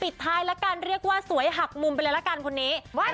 ท้ายละกันเรียกว่าสวยหักมุมไปเลยละกันคนนี้